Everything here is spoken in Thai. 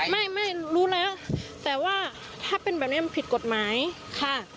ไม่รู้แล้วแต่ว่าถ้าเป็นแบบนี้มันผิดกฎหมายค่ะ